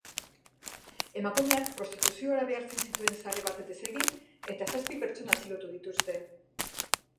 Emakumeak prostituziora behartzen zituen sare bat desegin eta zazpi pertsona atxilotu dituzte.